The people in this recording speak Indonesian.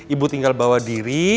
ibu tinggal bawa diri